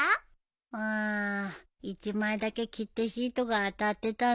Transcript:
うん１枚だけ切手シートが当たってたんだけどね。